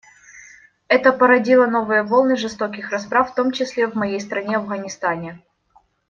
Это породило новые волны жестоких расправ, в том числе в моей стране, Афганистане.